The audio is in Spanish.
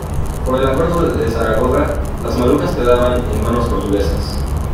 Por el acuerdo de Zaragoza, las Molucas quedaban en manos portuguesas.